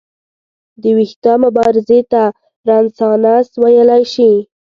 د ویښتیا مبارزې ته رنسانس ویلی شي.